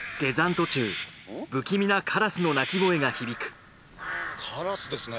途中不気味なカラスの鳴き声が響くカラスですね。